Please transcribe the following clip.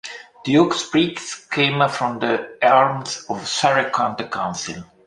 The oak sprigs came from the arms of Surrey County Council.